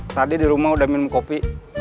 tadi di rumah udah minum kopi